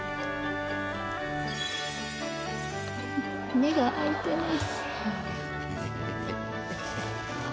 目が開いてない。